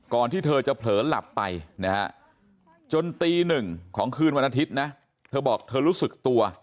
กลับไปนะจนตี๑ของคืนวันอาทิตย์นะเธอบอกเธอรู้สึกตัว